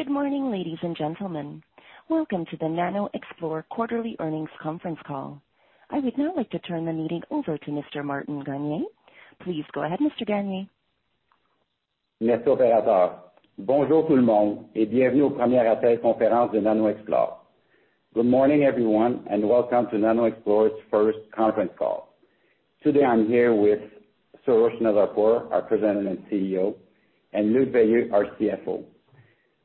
Good morning, ladies and gentlemen. Welcome to the NanoXplore quarterly earnings conference call. I would now like to turn the meeting over to Mr. Martin Gagné. Please go ahead, Mr. Gagné. Good morning, everyone, and welcome to NanoXplore's first conference call. Today I'm here with Soroush Nazarpour, our President and CEO, and Luc Veilleux, our CFO.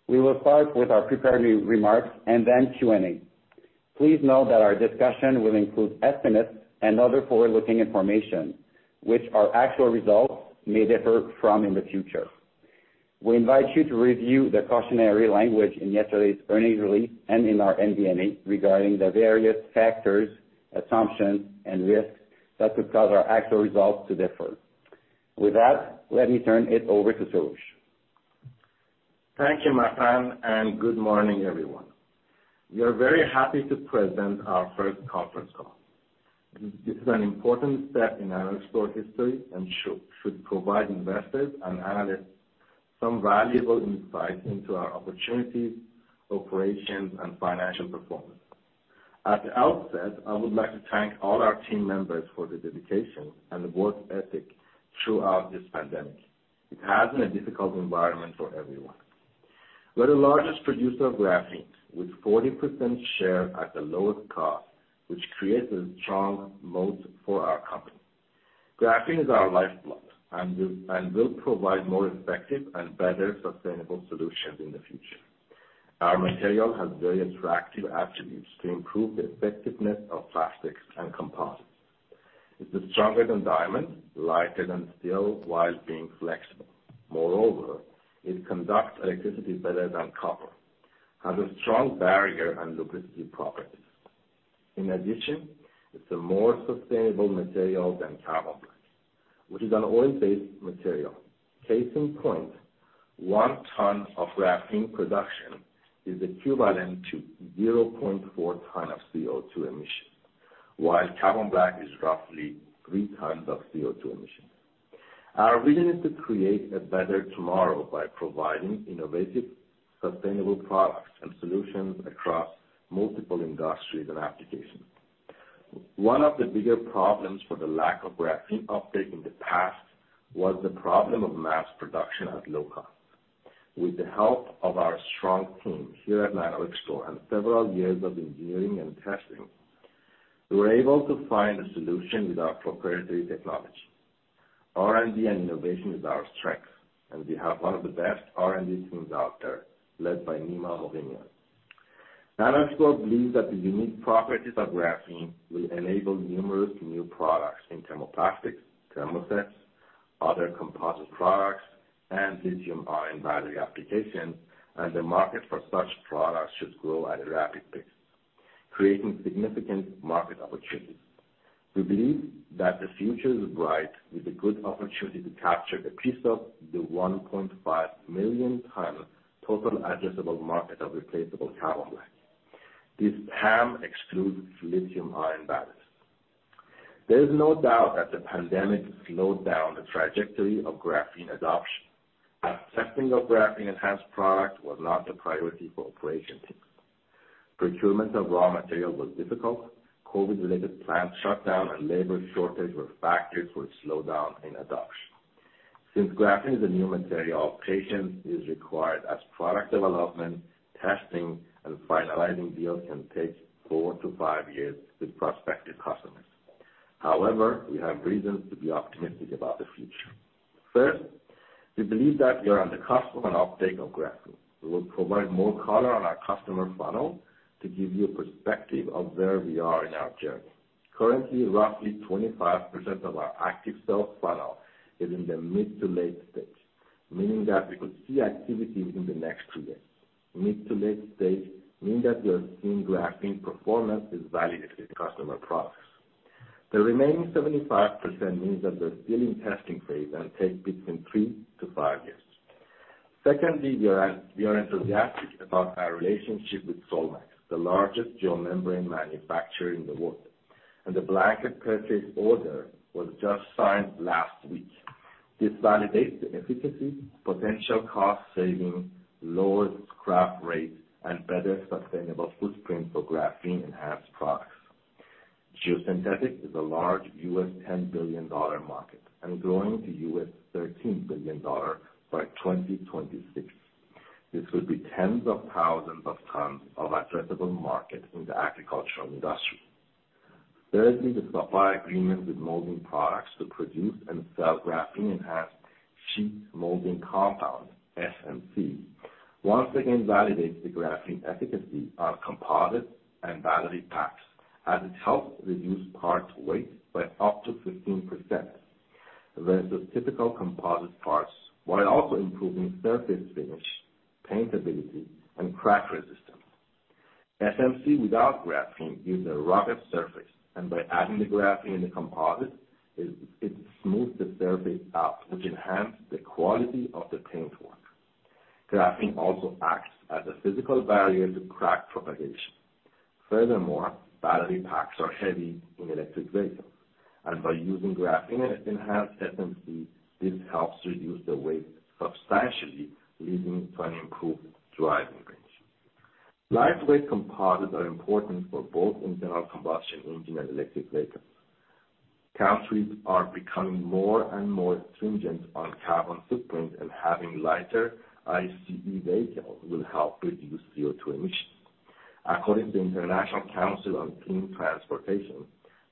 We will start with our prepared remarks and then Q&A. Please note that our discussion will include estimates and other forward-looking information which our actual results may differ from in the future. We invite you to review the cautionary language in yesterday's earnings release and in our MD&A regarding the various factors, assumptions and risks that could cause our actual results to differ. With that, let me turn it over to Soroush. Thank you, Martin, and good morning, everyone. We are very happy to present our first conference call. This is an important step in NanoXplore history and should provide investors and analysts some valuable insight into our opportunities, operations, and financial performance. At the outset, I would like to thank all our team members for their dedication and work ethic throughout this pandemic. It has been a difficult environment for everyone. We're the largest producer of graphene, with 40% share at the lowest cost, which creates a strong moat for our company. Graphene is our lifeblood and will provide more effective and better sustainable solutions in the future. Our material has very attractive attributes to improve the effectiveness of plastics and composites. It is stronger than diamond, lighter than steel, while being flexible. Moreover, it conducts electricity better than copper, has a strong barrier and lubricity properties. In addition, it's a more sustainable material than carbon black, which is an oil-based material. Case in point, 1 ton of graphene production is equivalent to 0.4 ton of CO2 emission, while carbon black is roughly three times of CO2 emissions. Our vision is to create a better tomorrow by providing innovative, sustainable products and solutions across multiple industries and applications. One of the bigger problems for the lack of graphene uptake in the past was the problem of mass production at low cost. With the help of our strong team here at NanoXplore and several years of engineering and testing, we were able to find a solution with our proprietary technology. R&D and innovation is our strength, and we have one of the best R&D teams out there, led by Nima Moghimi. NanoXplore believes that the unique properties of graphene will enable numerous new products in thermoplastics, thermosets, other composite products, and lithium-ion battery applications. The market for such products should grow at a rapid pace, creating significant market opportunities. We believe that the future is bright, with a good opportunity to capture the piece of the 1.5 million ton total addressable market of replaceable carbon black. This TAM excludes lithium-ion batteries. There is no doubt that the pandemic slowed down the trajectory of graphene adoption. Testing of graphene-enhanced product was not a priority for operations teams. Procurement of raw materials was difficult. COVID-related plant shutdown and labor shortage were factors which slowed down adoption. Since graphene is a new material, patience is required as product development, testing, and finalizing deals can take four to five years with prospective customers. However, we have reasons to be optimistic about the future. First, we believe that we are on the cusp of an uptake of graphene. We will provide more color on our customer funnel to give you a perspective of where we are in our journey. Currently, roughly 25% of our active sales funnel is in the mid to late stage, meaning that we could see activity within the next two years. Mid to late stage mean that we are seeing graphene performance is validated in customer products. The remaining 75% means that they're still in testing phase and take between three to five years. We are enthusiastic about our relationship with Solmax, the largest geomembrane manufacturer in the world, and the blanket purchase order was just signed last week. This validates the efficacy, potential cost saving, lower scrap rates, and better sustainable footprint for graphene-enhanced products. Geosynthetic is a large $10 billion market and growing to $13 billion by 2026. This will be tens of thousands of tons of addressable market in the agricultural industry. Thirdly, the supply agreement with Molding Products to produce and sell graphene-enhanced sheet molding compound, SMC, once again validates the graphene efficacy on composite and battery packs, as it helps reduce part weight by up to 15% versus typical composite parts, while also improving surface finish, paintability, and crack resistance. SMC without graphene gives a rugged surface, and by adding the graphene in the composite, it smooths the surface out, which enhance the quality of the paintwork. Graphene also acts as a physical barrier to crack propagation. Furthermore, battery packs are heavy in electric vehicles, and by using graphene-enhanced SMC, this helps reduce the weight substantially, leading to an improved driving range. Lightweight composites are important for both internal combustion engine and electric vehicles. Countries are becoming more and more stringent on carbon footprint, and having lighter ICE vehicles will help reduce CO2 emissions. According to International Council on Clean Transportation,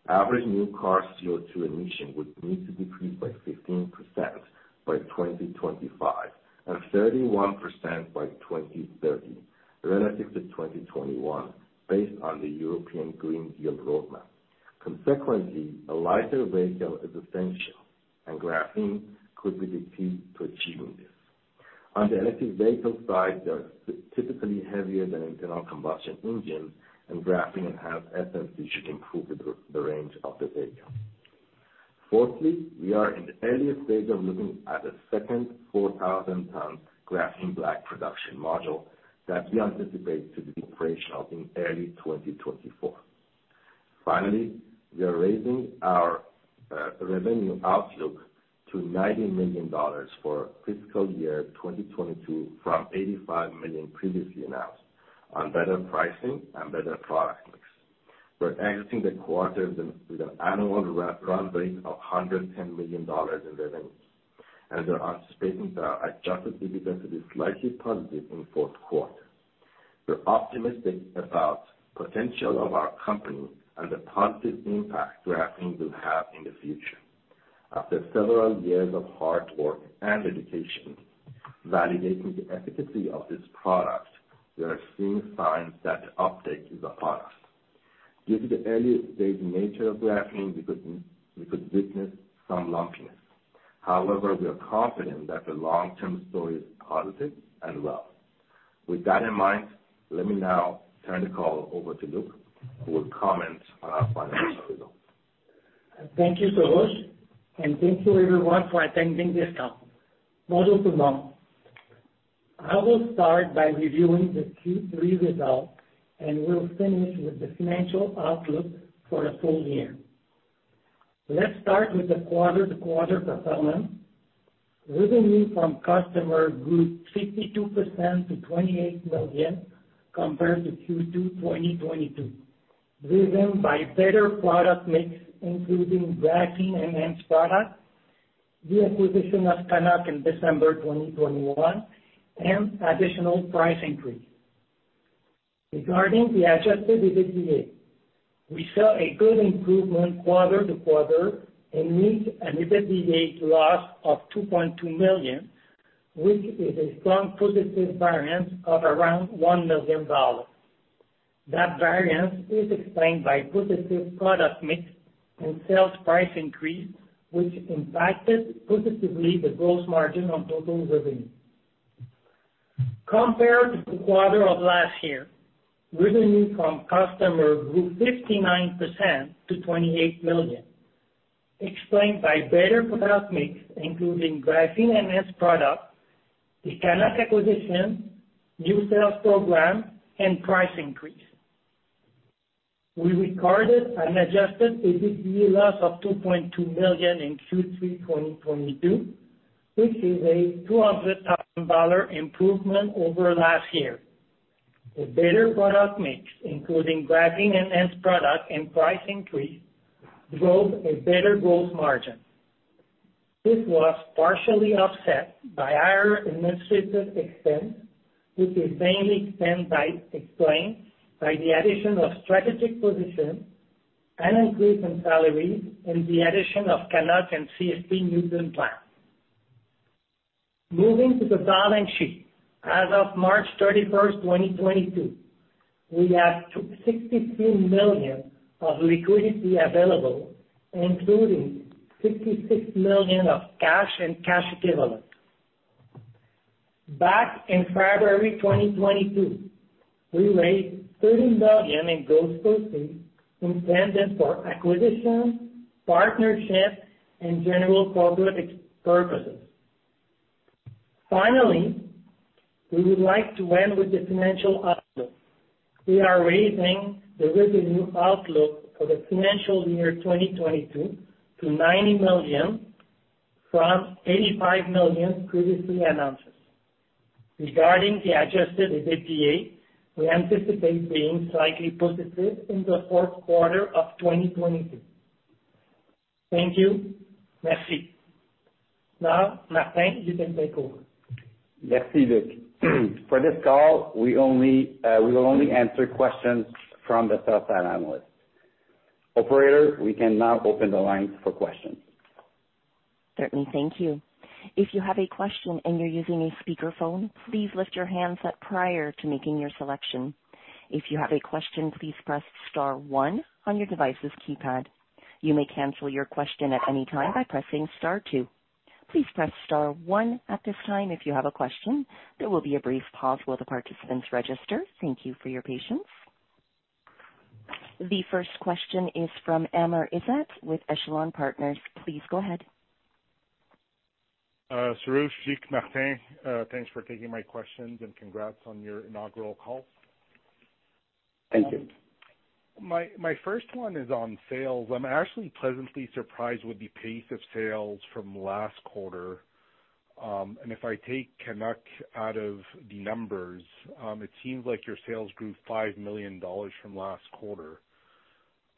average new car CO2 emission would need to decrease by 15% by 2025, and 31% by 2030 relative to 2021 based on the European Green Deal roadmap. Consequently, a lighter vehicle is essential, and graphene could be the key to achieving this. On the electric vehicle side, they are typically heavier than internal combustion engine, and graphene-enhanced SMC should improve the range of the vehicle. Fourthly, we are in the earliest stage of looking at a second 4,000-ton graphene black production module that we anticipate to be operational in early 2024. Finally, we are raising our revenue outlook to 90 million dollars for fiscal year 2022 from 85 million previously announced on better pricing and better product mix. We're exiting the quarter with an annual run rate of 110 million dollars in revenue, and we're anticipating that Adjusted EBITDA to be slightly positive in fourth quarter. We're optimistic about potential of our company and the positive impact graphene will have in the future. After several years of hard work and dedication, validating the efficacy of this product, we are seeing signs that uptake is upon us. Due to the early-stage nature of graphene, we could witness some lumpiness. However, we are confident that the long-term story is positive and well. With that in mind, let me now turn the call over to Luc, who will comment on our financial results. Thank you, Soroush, and thank you everyone for attending this call. Moving along, I will start by reviewing the Q3 results, and we'll finish with the financial outlook for the full year. Let's start with the quarter-to-quarter performance. Revenue from customer grew 52% to 28 million compared to Q2 2022, driven by better product mix, including graphene-enhanced products, the acquisition of Canuck in December 2021, and additional price increase. Regarding the Adjusted EBITDA, we saw a good improvement quarter to quarter and met an EBITDA loss of 2.2 million, which is a strong positive variance of around 1 million dollars. That variance is explained by positive product mix and sales price increase, which impacted positively the gross margin on total revenue. Compared to the quarter of last year, revenue from customer grew 59% to 28 million, explained by better product mix including graphene-enhanced products, the Canuck acquisition, new sales program, and price increase. We recorded an Adjusted EBITDA loss of 2.2 million in Q3 2022, which is a 200,000 dollar improvement over last year. A better product mix, including graphene-enhanced product and price increase, drove a better gross margin. This was partially offset by higher administrative expense, which is mainly explained by the addition of strategic positions, an increase in salary and the addition of Canuck and CSP Newton plant. Moving to the balance sheet. As of March 31st, 2022, we have 62 million of liquidity available, including 56 million of cash and cash equivalents. Back in February 2022, we raised CAD 13 million in growth proceeds intended for acquisitions, partnerships and general corporate expenses. Finally, we would like to end with the financial outlook. We are raising the revenue outlook for the financial year 2022 to 90 million from 85 million previously announced. Regarding the Adjusted EBITDA, we anticipate being slightly positive in the fourth quarter of 2022. Thank you. Merci. Now, Martin Gagné, you can take over. Merci, Luc. For this call, we will only answer questions from the sell-side analysts. Operator, we can now open the lines for questions. Certainly. Thank you. If you have a question and you're using a speakerphone, please lift your handset prior to making your selection. If you have a question, please press star one on your device's keypad. You may cancel your question at any time by pressing star two. Please press star one at this time if you have a question. There will be a brief pause while the participants register. Thank you for your patience. The first question is from Amr Ezzat with Echelon Wealth Partners. Please go ahead. Soroush, Martin, thanks for taking my questions, and congrats on your inaugural call. Thank you. My first one is on sales. I'm actually pleasantly surprised with the pace of sales from last quarter. If I take Canuck out of the numbers, it seems like your sales grew 5 million dollars from last quarter.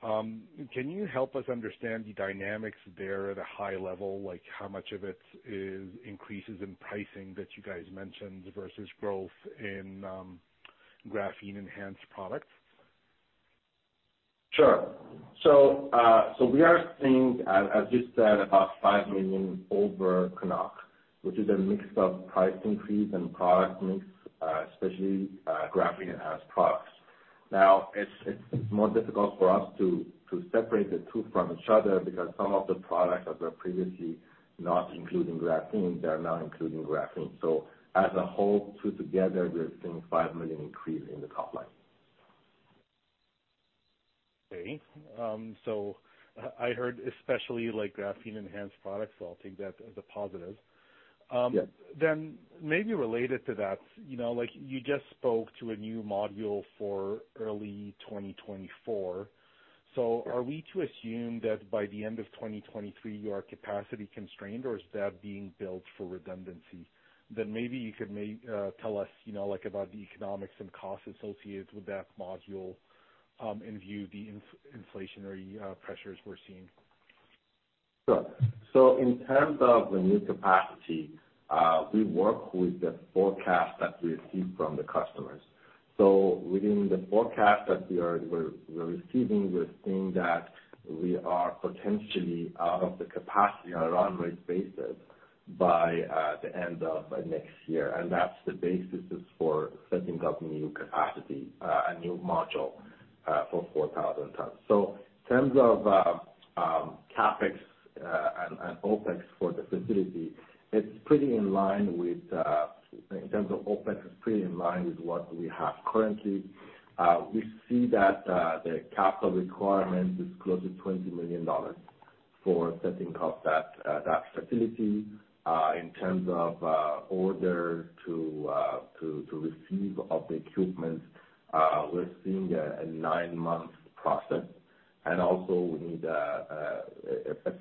Can you help us understand the dynamics there at a high level? Like how much of it is increases in pricing that you guys mentioned versus growth in graphene-enhanced products? Sure. We are seeing, as you said, about 5 million over Canuck, which is a mix of price increase and product mix, especially graphene-enhanced products. Now, it's more difficult for us to separate the two from each other because some of the products that were previously not including graphene, they are now including graphene. As a whole, two together, we're seeing 5 million increase in the top line. Okay. I heard especially like graphene-enhanced products, so I'll take that as a positive. Yes. Maybe related to that, you know, like you just spoke to a new module for early 2024. Are we to assume that by the end of 2023, you are capacity constrained, or is that being built for redundancy? Maybe you could tell us, you know, like about the economics and costs associated with that module, in view of the inflationary pressures we're seeing. In terms of the new capacity, we work with the forecast that we receive from the customers. Within the forecast that we're receiving, we're seeing that we are potentially out of the capacity on a run rate basis by the end of next year. That's the basis is for setting up new capacity, a new module, for 4,000 tons. In terms of CapEx and OpEx for the facility, it's pretty in line with, in terms of OpEx, it's pretty in line with what we have currently. We see that the capital requirement is close to $20 million for setting up that facility. In order to receive all the equipment, we're seeing a nine-month process. We also need a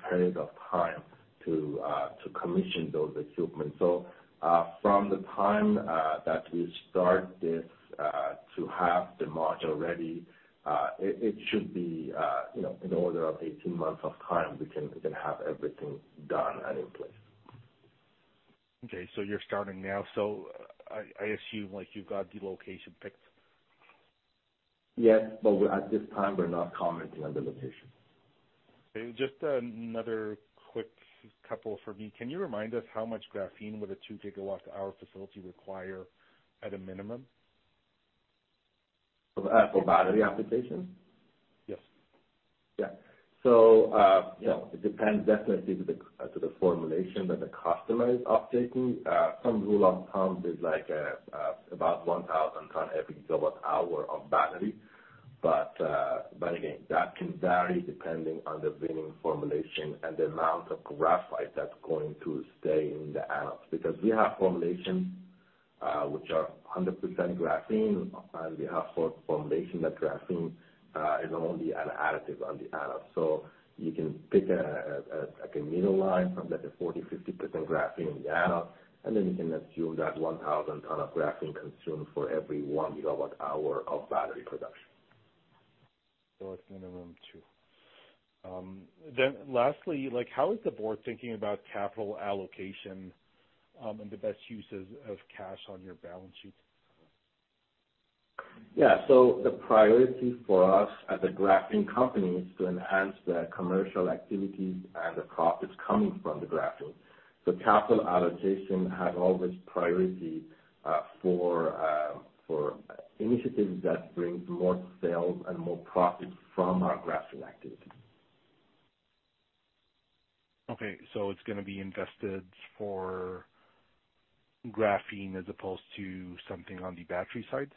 period of time to commission those equipment. From the time that we start this to have the module ready, it should be, you know, in order of 18 months of time, we can have everything done and in place. Okay, you're starting now. I assume like you've got the location picked. Yes, we're at this time not commenting on the location. Okay. Just another quick couple for me. Can you remind us how much graphene would a 2 GWh facility require at a minimum? For battery application? Yes. Yeah. You know, it definitely depends on the formulation that the customer is uptaking. Some rule of thumb is like about 1,000 tons every gigawatt hour of battery. Again, that can vary depending on the winning formulation and the amount of graphite that's going to stay in the anodes. Because we have formulations which are 100% graphene, and we have formulations that graphene is only an additive on the anode. You can pick a like a middle line from let's say 40%-50% graphene in the anode, and then you can assume that 1,000 tons of graphene consumed for every 1 GWh of battery production. It's minimum two. Lastly, like how is the board thinking about capital allocation, and the best uses of cash on your balance sheet? Yeah. The priority for us as a graphene company is to enhance the commercial activities and the profits coming from the graphene. Capital allocation has always priority for initiatives that brings more sales and more profits from our graphene activity. Okay. It's gonna be invested for graphene as opposed to something on the battery side?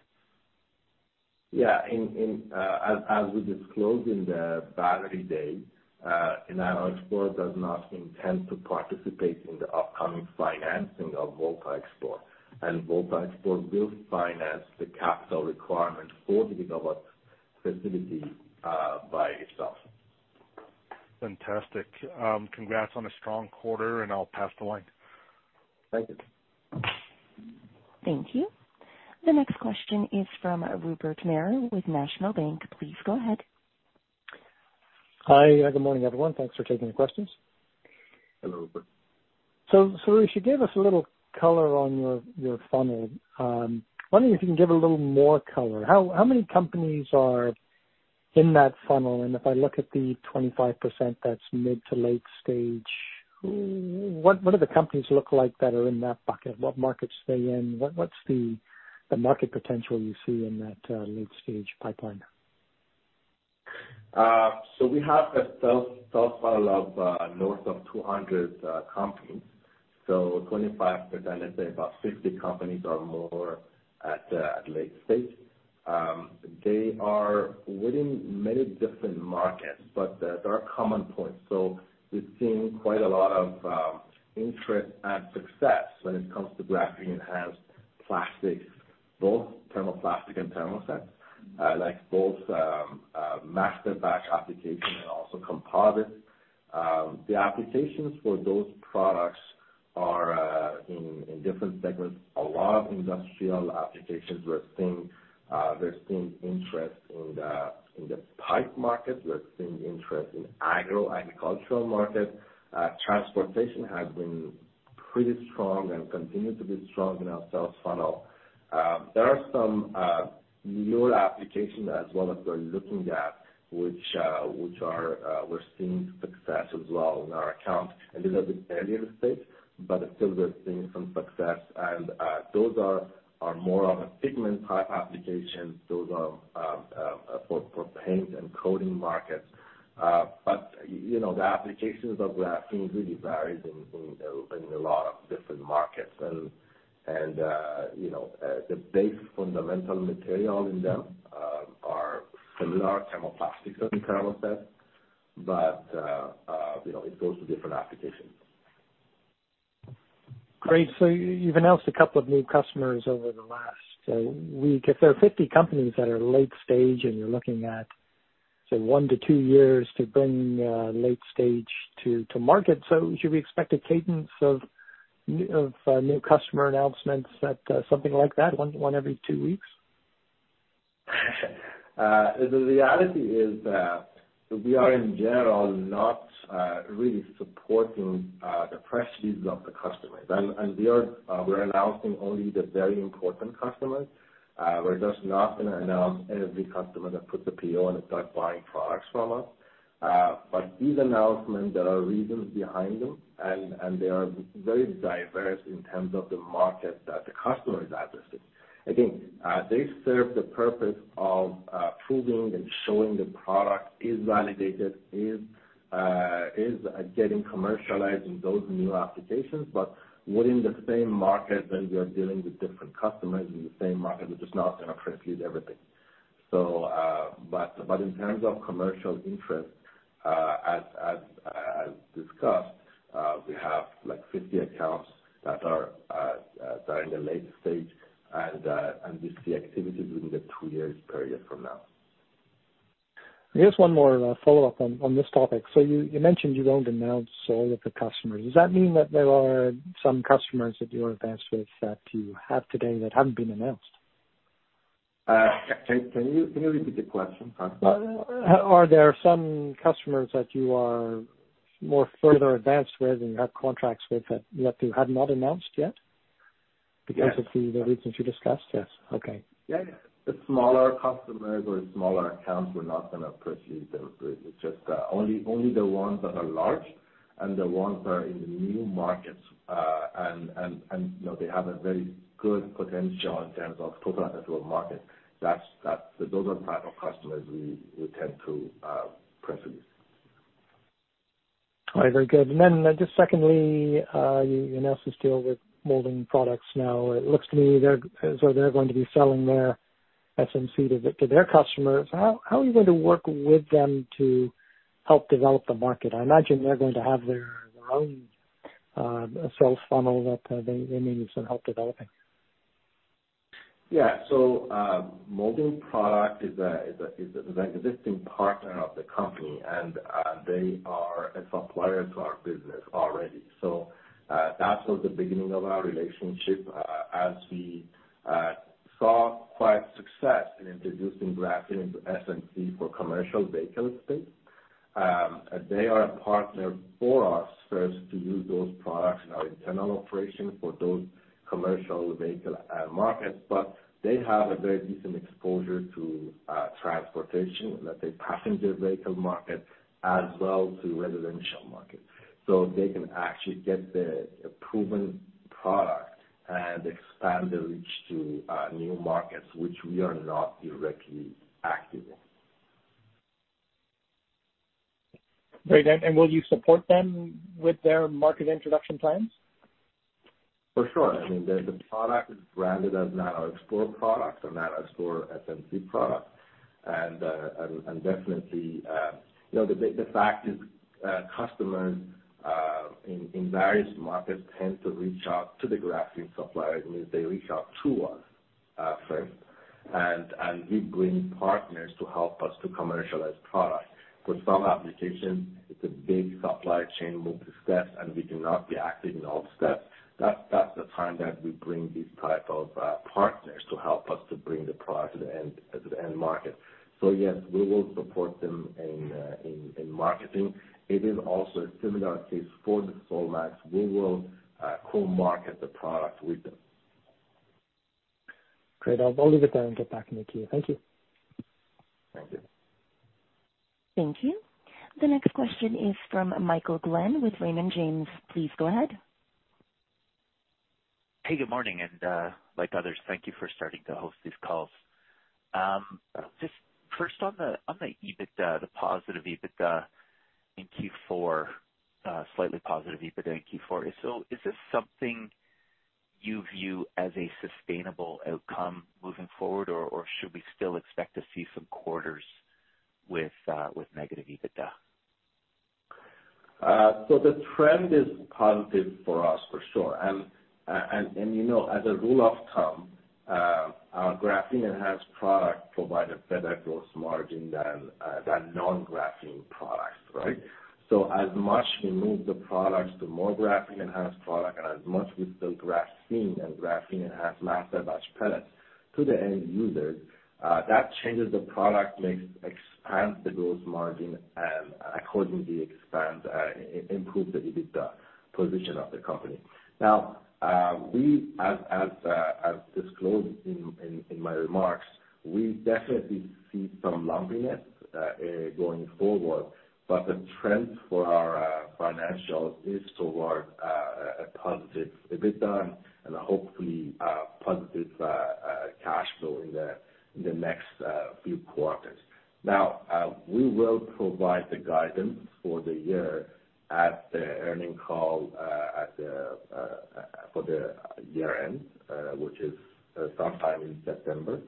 Yeah. As we disclosed in the battery day, NanoXplore does not intend to participate in the upcoming financing of VoltaXplore. VoltaXplore will finance the capital requirement for the gigawatt facility by itself. Fantastic. Congrats on a strong quarter, and I'll pass the line. Thank you. Thank you. The next question is from Rupert Merer with National Bank Financial. Please go ahead. Hi. Good morning, everyone. Thanks for taking the questions. Hello, Rupert. Soroush, you gave us a little color on your funnel. Wondering if you can give a little more color. How many companies are in that funnel? And if I look at the 25% that's mid to late stage, what do the companies look like that are in that bucket? What markets are they in? What's the market potential you see in that late stage pipeline? We have a sales funnel of north of 200 companies. 25%, let's say about 60 companies or more at late stage. They are within many different markets, but there are common points. We've seen quite a lot of interest and success when it comes to graphene-enhanced plastics, both thermoplastic and thermoset. Like both masterbatch application and also composites. The applications for those products are in different segments. A lot of industrial applications we're seeing. We're seeing interest in the pipe market. We're seeing interest in the agricultural market. Transportation has been pretty strong and continues to be strong in our sales funnel. There are some newer applications as well that we're looking at which we're seeing success as well in our accounts. These are the early stage, but still we're seeing some success. Those are more of a pigment type application. Those are for paint and coating markets. You know, the applications of graphene really varies in a lot of different markets. You know, the base fundamental material in them are similar thermoplastics and thermosets, but you know, it goes to different applications. Great. You've announced a couple of new customers over the last week. If there are 50 companies that are late stage and you're looking at, say, one to two years to bring late stage to market, should we expect a cadence of new customer announcements at something like that, one every two weeks? The reality is that we are in general not really supporting the press releases of the customers. We are announcing only the very important customers. We're just not gonna announce every customer that puts a PO and starts buying products from us. These announcements, there are reasons behind them, and they are very diverse in terms of the market that the customer is addressing. Again, they serve the purpose of proving and showing the product is validated, is getting commercialized in those new applications. Within the same market that we are dealing with different customers in the same market, we're just not gonna pre-include everything. In terms of commercial interest, as discussed, we have like 50 accounts that are in the late stage and we see activity within the 2-year period from now. Here's one more follow-up on this topic. You mentioned you don't announce all of the customers. Does that mean that there are some customers that you're advanced with, that you have today that haven't been announced? Can you repeat the question? Sorry. Are there some customers that you are more further advanced with and you have contracts with that you have not announced yet? Yes. Because of the reasons you discussed? Yes. Okay. Yeah. The smaller customers or smaller accounts, we're not gonna pursue them. It's just only the ones that are large and the ones that are in the new markets. You know, they have a very good potential in terms of total addressable market. That's those are the type of customers we tend to pursue. All right, very good. Just secondly, you announced this deal with Molding Products now. It looks to me as though they're going to be selling their SMC to their customers. How are you going to work with them to help develop the market? I imagine they're going to have their own sales funnel that they may need some help developing. Yeah. Molding Products is an existing partner of the company and they are a supplier to our business already. That was the beginning of our relationship as we saw quite success in introducing graphene into SMC for commercial vehicle space. They are a partner for us first to use those products in our internal operations for those commercial vehicle markets. But they have a very decent exposure to transportation, the passenger vehicle market as well as the residential market. They can actually get the proven product and expand the reach to new markets, which we are not directly active in. Great. Will you support them with their market introduction plans? For sure. I mean, the product is branded as NanoXplore product or NanoXplore SMC product. Definitely, you know, the fact is, customers in various markets tend to reach out to the graphene suppliers, means they reach out to us first. We bring partners to help us to commercialize products. For some applications, it's a big supply chain movement steps, and we do not be active in all steps. That's the time that we bring these type of partners to help us to bring the product to the end market. Yes, we will support them in marketing. It is also a similar case for the Solmax. We will co-market the product with them. Great. I'll leave it there and get back in with you. Thank you. Thank you. Thank you. The next question is from Michael Glen with Raymond James. Please go ahead. Hey, good morning. Like others, thank you for starting to host these calls. Just first on the EBITDA, the positive EBITDA in Q4, slightly positive EBITDA in Q4. Is this something you view as a sustainable outcome moving forward? Or should we still expect to see some quarters with negative EBITDA? The trend is positive for us for sure. You know, as a rule of thumb, our graphene-enhanced products provide a better gross margin than non-graphene products, right? As much as we move the products to more graphene-enhanced products and as much as we sell graphene and graphene-enhanced masterbatch pellets to the end users, that changes the product mix, expands the gross margin, and accordingly expands, improves the EBITDA position of the company. Now, as disclosed in my remarks, we definitely see some lumpiness going forward, but the trend for our financials is toward a positive EBITDA and hopefully positive cash flow in the next few quarters. Now we will provide the guidance for the year at the earnings call for the year end, which is sometime in September.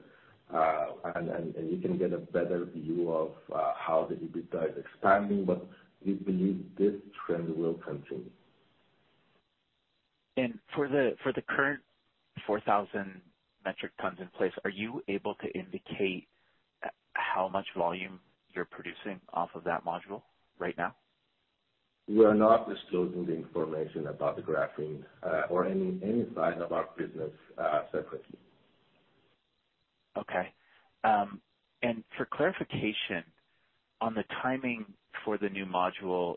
You can get a better view of how the EBITDA is expanding, but we believe this trend will continue. For the current 4,000 metric tons in place, are you able to indicate how much volume you're producing off of that module right now? We are not disclosing the information about the graphene, or any side of our business, separately. Okay. For clarification on the timing for the new module.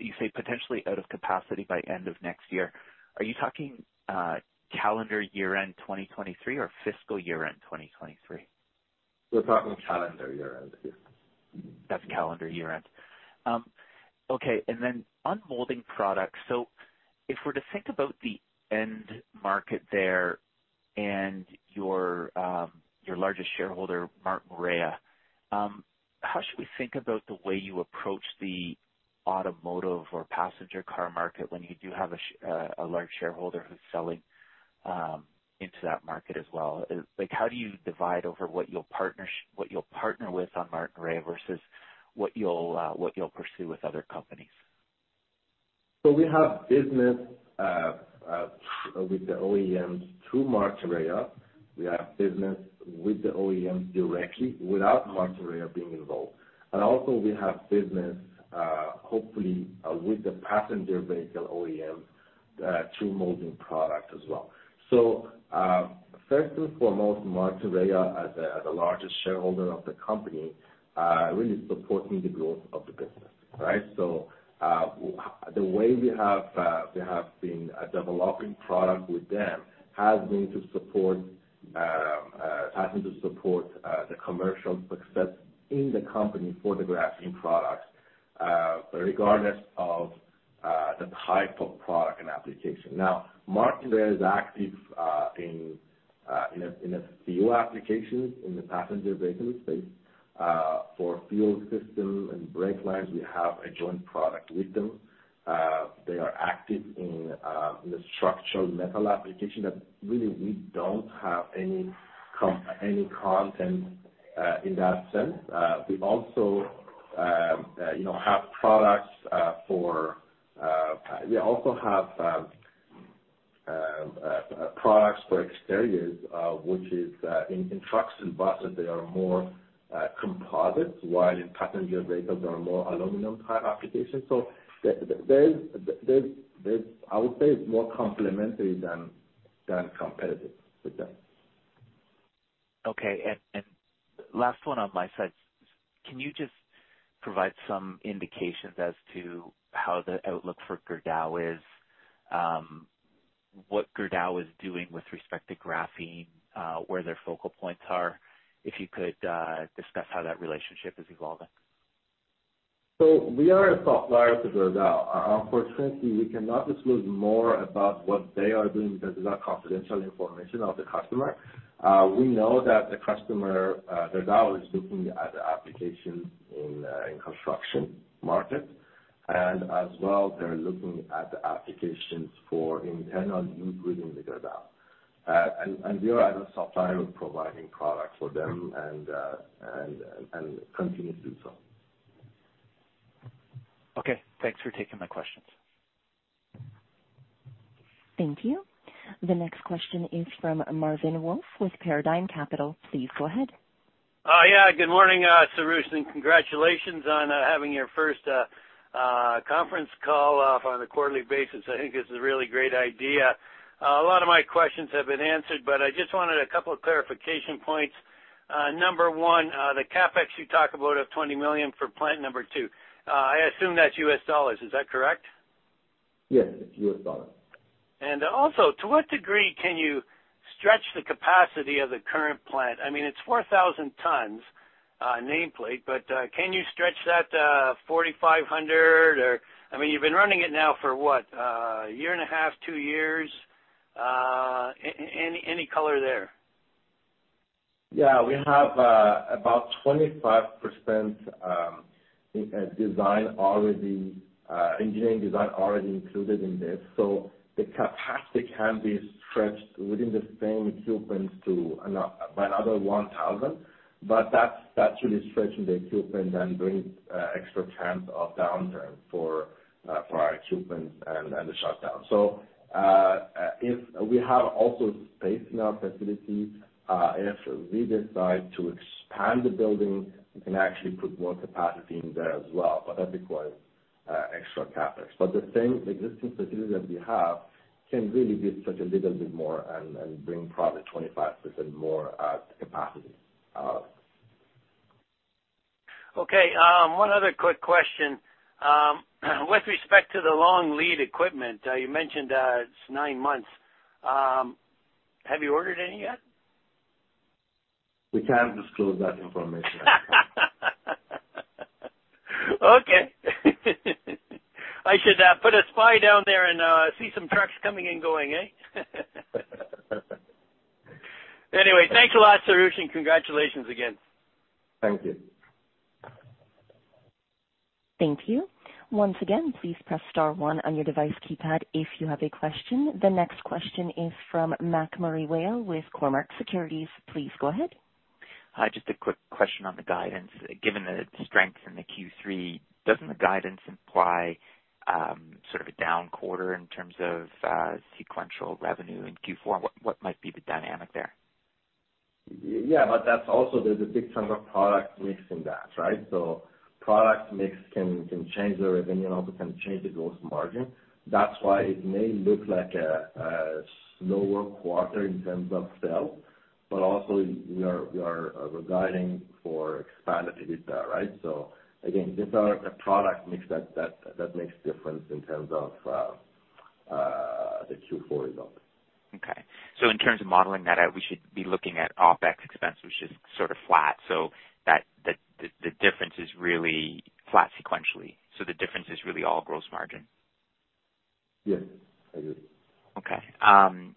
You say potentially out of capacity by end of next year. Are you talking calendar year end 2023 or fiscal year end 2023? We're talking calendar year end, yes. That's calendar year end. Okay, on Molding Products. If we're to think about the end market there and your largest shareholder, Martinrea, how should we think about the way you approach the automotive or passenger car market when you do have a large shareholder who's selling into that market as well? Like, how do you decide on what you'll partner with Martinrea versus what you'll pursue with other companies? We have business with the OEMs through Martinrea. We have business with the OEMs directly without Martinrea being involved. Also we have business, hopefully, with the passenger vehicle OEM, through Molding Products as well. First and foremost, Martinrea as the largest shareholder of the company really supporting the growth of the business, right? The way we have been developing product with them has been to support the commercial success in the company for the graphene products, regardless of the type of product and application. Now, Martinrea is active in a few applications in the passenger vehicle space, for fuel system and brake lines. We have a joint product with them. They are active in the structural metal application that really we don't have any content in that sense. We also have products for exteriors, which is in trucks and buses they are more composites, while in passenger vehicles they are more aluminum type applications. I would say it's more complementary than competitive with them. Okay. Last one on my side. Can you just provide some indications as to how the outlook for Gerdau is? What Gerdau is doing with respect to graphene, where their focal points are? If you could, discuss how that relationship is evolving. We are a supplier to Gerdau. Unfortunately, we cannot disclose more about what they are doing because it's confidential information of the customer. We know that the customer, Gerdau, is looking at applications in construction market. As well, they're looking at applications for internal use within the Gerdau. We are as a supplier providing product for them and continue to do so. Okay, thanks for taking my questions. Thank you. The next question is from David Wolf with Paradigm Capital. Please go ahead. Yeah, good morning, Soroush, and congratulations on having your first conference call on a quarterly basis. I think it's a really great idea. A lot of my questions have been answered, but I just wanted a couple of clarification points. Number one, the CapEx you talk about of $20 million for plant number two, I assume that's US dollars. Is that correct? Yes, it's US dollars. To what degree can you stretch the capacity of the current plant? I mean, it's 4,000 tons nameplate, but can you stretch that to 4,500? I mean, you've been running it now for what? A year and a half, two years. Any color there? Yeah, we have about 25% in design already, engineering design already included in this. The capacity can be stretched within the same equipment to another 1,000, but that's actually stretching the equipment and brings extra chance of downtime for our equipment and the shutdown. If we have also space in our facility, if we decide to expand the building, we can actually put more capacity in there as well, but that requires extra CapEx. The same existing facility that we have can really give such a little bit more and bring probably 25% more capacity. Okay. One other quick question. With respect to the long lead equipment, you mentioned, it's nine months. Have you ordered any yet? We can't disclose that information. Okay. I should put a spy down there and see some trucks coming and going, eh. Anyway, thanks a lot, Soroush, and congratulations again. Thank you. Thank you. Once again, please press star one on your device keypad if you have a question. The next question is from MacMurray Whale with Cormark Securities. Please go ahead. Hi, just a quick question on the guidance. Given the strength in the Q3, doesn't the guidance imply, sort of a down quarter in terms of, sequential revenue in Q4? What might be the dynamic there? Yeah, that's also there's a big chunk of product mix in that, right? Product mix can change the revenue, also can change the gross margin. That's why it may look like a slower quarter in terms of sales, but also we are guiding for expanded EBITDA, right? Again, these are a product mix that makes difference in terms of the Q4 result. Okay. In terms of modeling that out, we should be looking at OpEx expense, which is sort of flat. That the difference is really flat sequentially. The difference is really all gross margin. Yes. I agree. Okay.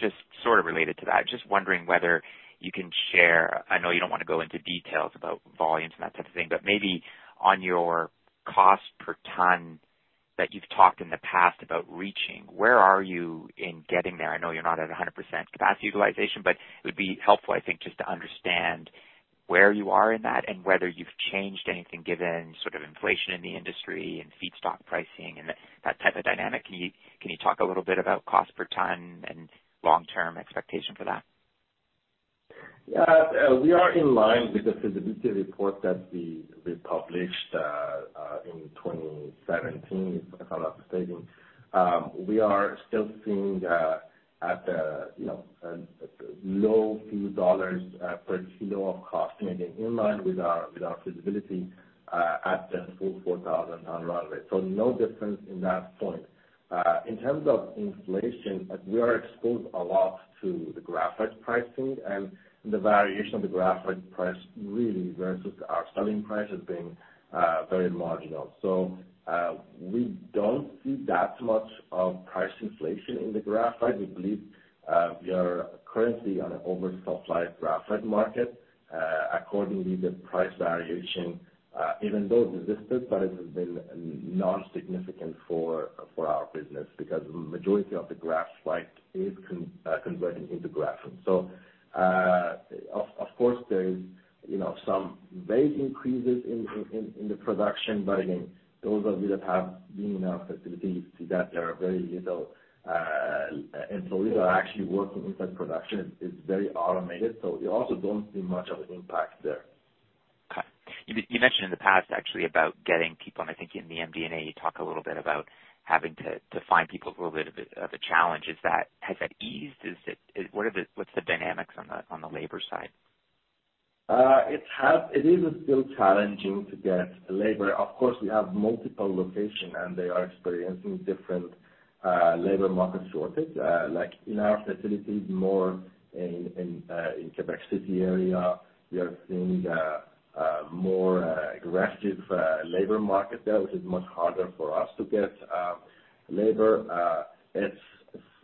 Just sort of related to that, just wondering whether you can share. I know you don't wanna go into details about volumes and that type of thing, but maybe on your cost per ton that you've talked in the past about reaching, where are you in getting there? I know you're not at 100% capacity utilization, but it would be helpful, I think, just to understand where you are in that and whether you've changed anything given sort of inflation in the industry and feedstock pricing and that type of dynamic. Can you talk a little bit about cost per ton and long-term expectation for that? Yeah. We are in line with the feasibility report that we published in 2017, if I'm not mistaken. We are still seeing the low few CAD per kilo of cost, remaining in line with our feasibility at the full 4,000 on runway. No difference in that point. In terms of inflation, we are exposed a lot to the graphite pricing and the variation of the graphite price really versus our selling price has been very marginal. We don't see that much of price inflation in the graphite. We believe we are currently on an oversupply graphite market. Accordingly, the price variation even though it exists, but it has been non-significant for our business because majority of the graphite is converting into graphene. Of course, there is, you know, some wage increases in the production, but again, those of you that have been in our facilities see that there are very little employees are actually working inside production. It's very automated, so you also don't see much of an impact there. Okay. You mentioned in the past actually about getting people, and I think in the MD&A, you talk a little bit about having to find people is a little bit of a challenge. Has that eased? What's the dynamics on the labor side? It has. It is still challenging to get labor. Of course, we have multiple locations and they are experiencing different labor market shortages. Like in our facilities, more in Québec City area, we are seeing more aggressive labor market there, which is much harder for us to get labor. It's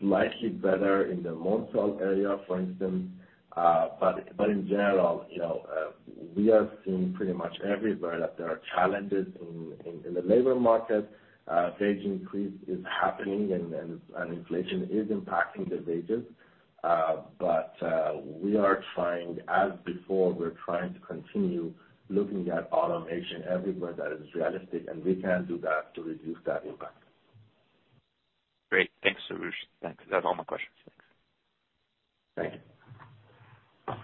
slightly better in the Montréal area, for instance. In general, you know, we are seeing pretty much everywhere that there are challenges in the labor market. Wage increases are happening and inflation is impacting the wages. We are trying, as before, to continue looking at automation everywhere that is realistic, and we can do that to reduce that impact. Great. Thanks, Soroush. Thanks. That's all my questions. Thanks. Thank you.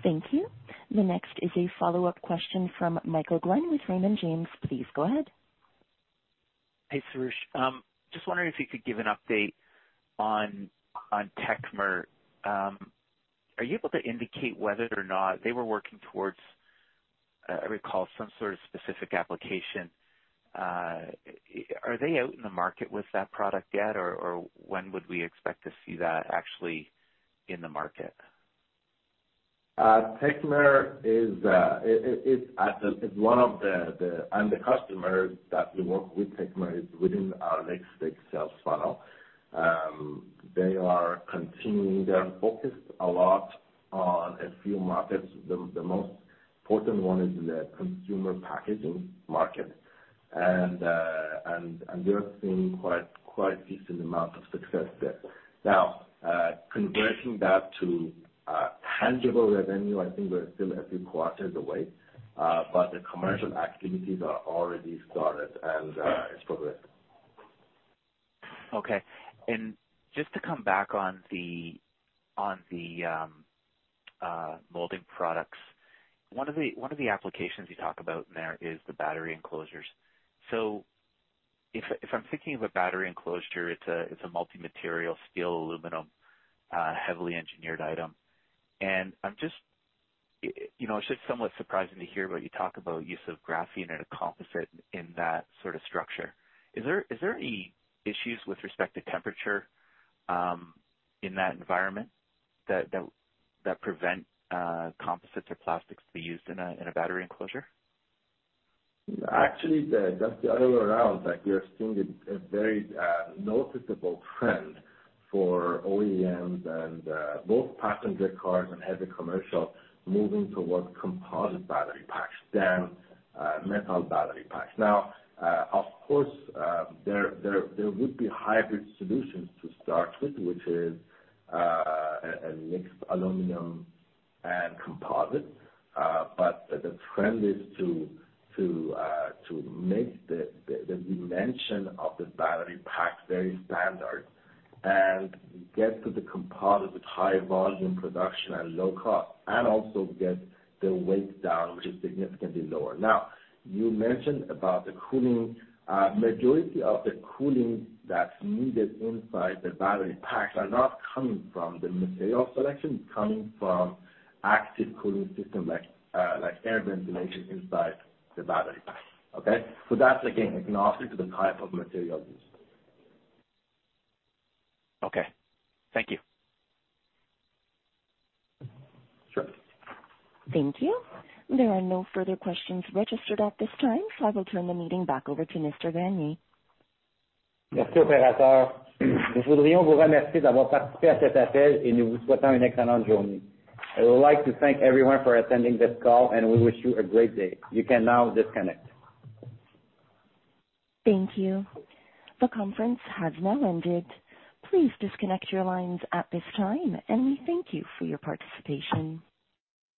Thank you. The next is a follow-up question from Michael Glen with Raymond James. Please go ahead. Hey, Soroush. Just wondering if you could give an update on Techmer PM. Are you able to indicate whether or not they were working towards, I recall some sort of specific application. Are they out in the market with that product yet? Or, when would we expect to see that actually in the market? Techmer is one of the end customers that we work with. Techmer is within our next big sales funnel. They are continuing. They're focused a lot on a few markets. The most important one is the consumer packaging market. They're seeing quite decent amount of success there. Now, converting that to tangible revenue, I think we're still a few quarters away, but the commercial activities are already started and in progress. Okay. Just to come back on the molding products. One of the applications you talk about in there is the battery enclosures. So if I'm thinking of a battery enclosure, it's a multi-material steel, aluminum, heavily engineered item. I'm just, you know, it's just somewhat surprising to hear, but you talk about use of graphene and a composite in that sort of structure. Is there any issues with respect to temperature in that environment that prevent composites or plastics to be used in a battery enclosure? Actually, that's the other way around, that we are seeing a very noticeable trend for OEMs and both passenger cars and heavy commercial moving towards composite battery packs than metal battery packs. Now, of course, there would be hybrid solutions to start with, which is a mixed aluminum and composite. The trend is to make the dimension of the battery pack very standard and get to the composite with high volume production and low cost, and also get the weight down, which is significantly lower. Now, you mentioned about the cooling. Majority of the cooling that's needed inside the battery packs are not coming from the material selection. It's coming from active cooling system like air ventilation inside the battery pack. Okay? That's again, agnostic to the type of material used. Okay. Thank you. Sure. Thank you. There are no further questions registered at this time, so I will turn the meeting back over to Mr. Gagné. I would like to thank everyone for attending this call, and we wish you a great day. You can now disconnect. Thank you. The conference has now ended. Please disconnect your lines at this time, and we thank you for your participation.